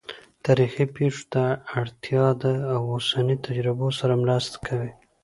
تاریخي پېښو ته اړتیا د اوسنیو تجربو سره مرسته کوي.